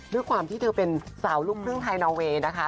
ด้วยความที่เธอเป็นสาวลูกครึ่งไทยนอเวย์นะคะ